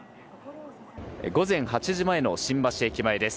午前８時前の新橋駅前です。